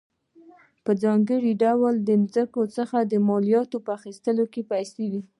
په ځانګړې توګه له ځمکو څخه د مالیاتو په اخیستو کې پیسې وې.